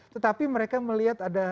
tetapi mereka melihat ada